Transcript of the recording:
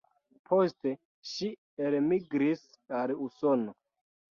Poste ŝi elmigris al Usono.